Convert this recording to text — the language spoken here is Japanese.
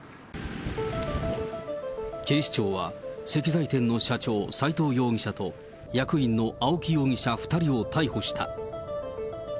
警視庁は石材店の社長、斎藤容疑者と、役員の青木容疑者２人を逮捕した。